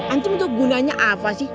antum tuh gunanya apa sih